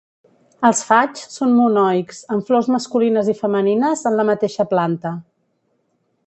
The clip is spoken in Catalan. Els faigs són monoics, amb flors masculines i femenines en la mateixa planta.